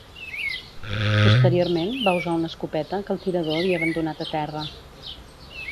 Posteriorment, va usar una escopeta que el tirador havia abandonat a terra.